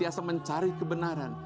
senantiasa mencari kebenaran